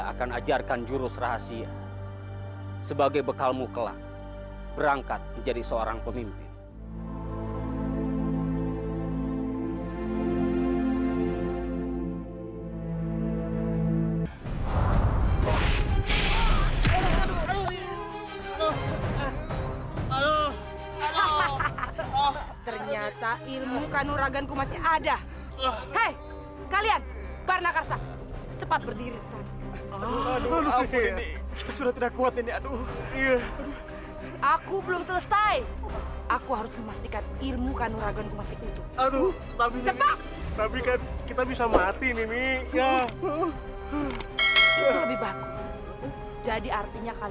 makanya kalau sudah dilarang jangan coba coba melanggar